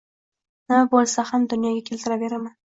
Nima boʻlsa ham dunyoga keltiraveraman.